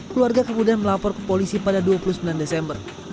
keluarga kemudian melapor ke polisi pada dua puluh sembilan desember